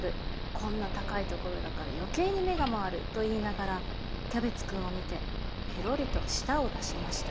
こんなたかいところだからよけいにめがまわる』といいながらキャベツくんをみてペロリとしたをだしました。